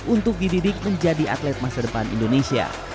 untuk dididik menjadi atlet masa depan indonesia